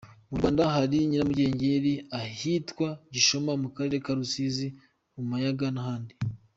Mu Rwanda hari Nyiramugengeri ahitwa Gishoma mu Karere ka Rusizi, ku Mayaga n’ahandi.